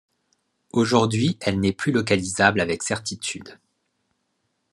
Aujourd'hui elle n'est plus localisable avec certitude.